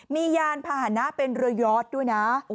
มียานพาหนะเป็นเรือยอดด้วยนะ